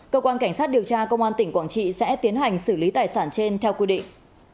cơ quan cảnh sát điều tra công an tỉnh quảng trị sẽ tiến hành xử lý tài sản trên theo quy định